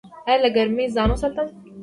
ایا له ګرمۍ ځان وساتم؟